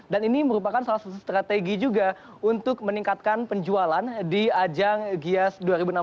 dan ini merupakan salah satu strategi juga untuk meningkatkan penjualan di ajang gias dua ribu enam belas